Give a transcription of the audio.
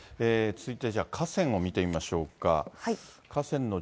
続いて、じゃあ河川を見てみましょうか。